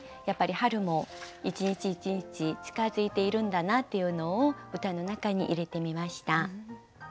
やっぱり春も一日一日近づいているんだなっていうのを歌の中に入れてみました。